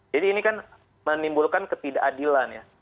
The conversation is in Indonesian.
jadi ini kan menimbulkan ketidakadilan ya